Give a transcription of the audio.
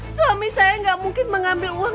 suami saya gak mungkin mengambil uang